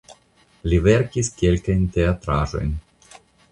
Li verkis kelkajn teatraĵojn.